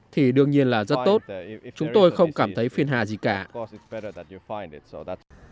thì đương nhiên là rất tốt chúng tôi không cảm thấy phiên hà gì cả